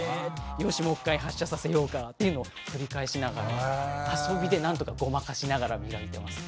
よしもう１回発射させようか」っていうのを繰り返しながら遊びでなんとかごまかしながら磨いてますね。